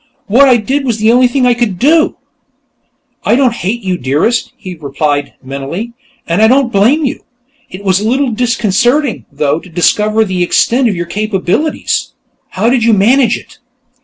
What I did was the only thing I could do." "I don't hate you, Dearest," he replied, mentally. "And I don't blame you. It was a little disconcerting, though, to discover the extent of your capabilities.... How did you manage it?"